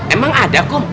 emang ada kum